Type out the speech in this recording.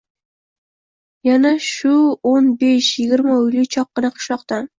Uana shu o‘n besh-yigirma uyli choqqina qishloqdan.